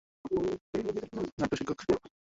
তারা দুজনেই অভিনয়শিল্পী ও নাট্য শিক্ষক।